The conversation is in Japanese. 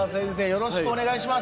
よろしくお願いします。